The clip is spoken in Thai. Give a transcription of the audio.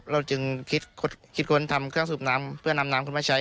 เราจึงคิดค้นทำเครื่องสูบน้ำเพื่อนำน้ำขึ้นมาใช้